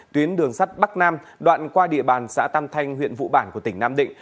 tuyến đường sắt bắc nam đoạn qua địa bàn xã tam thanh huyện vụ bản của tỉnh nam định